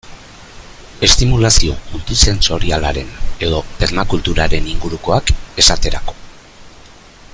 Estimulazio multisentsorialaren edo permakulturaren ingurukoak, esaterako.